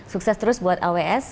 sukses terus buat aws